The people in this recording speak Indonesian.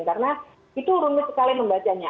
karena itu rumit sekali membacanya